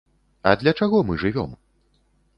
А для чаго мы жывём?